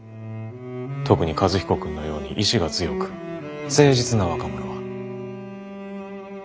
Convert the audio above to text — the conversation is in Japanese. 特に和彦君のように意志が強く誠実な若者は。